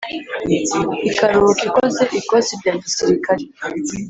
ikaruhuka ikoze ikosi rya gisirikare,